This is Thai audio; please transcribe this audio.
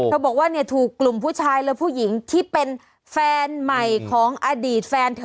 บอกว่าเนี่ยถูกกลุ่มผู้ชายและผู้หญิงที่เป็นแฟนใหม่ของอดีตแฟนเธอ